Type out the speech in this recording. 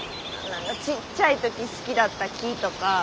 何かちっちゃい時好きだった木とか。